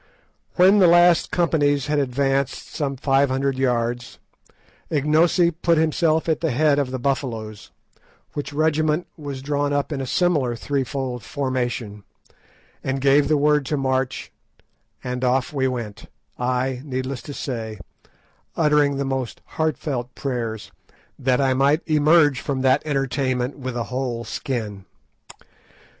When the last companies had advanced some five hundred yards, Ignosi put himself at the head of the Buffaloes, which regiment was drawn up in a similar three fold formation, and gave the word to march, and off we went, I, needless to say, uttering the most heartfelt prayers that I might emerge from that entertainment with a whole skin.